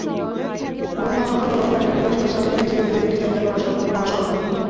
রোববার সকালে Orlando police ওয়েবসাইটে নিহত ব্যক্তিদের একটি তালিকা প্রকাশ করা হলো।